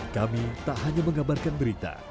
kami tak hanya menggabarkan berita